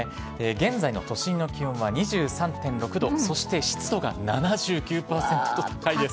現在の都心の気温は２３．６度、そして湿度が７９％と高いです。